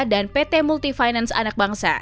dan pt multifinance anak bangsa